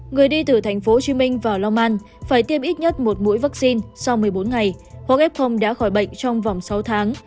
người đi từ tp hcm vào lò man phải tiêm ít nhất một mũi vaccine sau một mươi bốn ngày hoặc ép không đã khỏi bệnh trong vòng sáu tháng